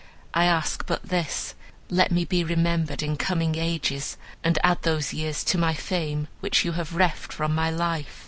I ask but this: let me be remembered in coming ages, and add those years to my fame which you have reft from my life.